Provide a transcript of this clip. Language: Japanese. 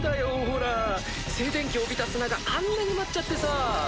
ほら静電気を帯びた砂があんなに舞っちゃってさ。